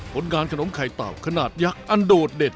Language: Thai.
ผลงานขนมไข่เต่าขนาดยักษ์อันโดดเด่น